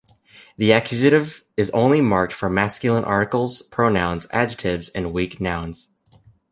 The accusative is only marked for masculine articles, pronouns, adjectives, and weak nouns.